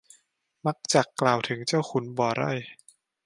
มักจักกล่าวถึงเจ้าถึงขุนบ่ไร้